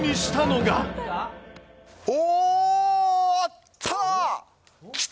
おー、あった。